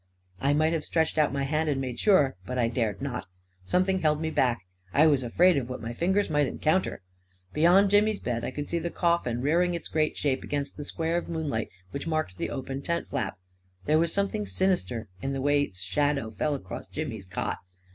I might have stretched out my hand and made sure, but I dared not. Something held me back. I was afraid of what my fingers might en counter 1 Beyond Jimmy's bed, I could see the coffin rearing its great shape against the square of moonlight which marked the open tent flap — there was something sinister in the way its shadow fell across Jimmy's cot.